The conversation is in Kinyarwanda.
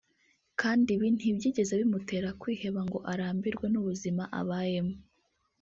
kandi ibi ntibyigeze bimutera kwiheba ngo arambirwe n’ubuzima abayemo